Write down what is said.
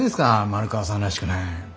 丸川さんらしくない。